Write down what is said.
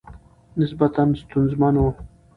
نسبتاً ستونزمن ؤ